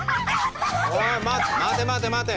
おぃ待て待て待て待て！